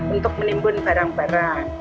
untuk menimbun barang barang